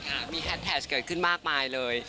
มีแฮดแทชเกิดขึ้นมากมายเลย